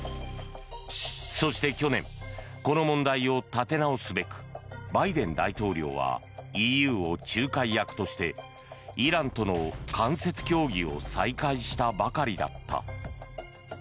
そして、去年この問題を立て直すべくバイデン大統領はＥＵを仲介役としてイランとの間接協議を再開したばかりだった。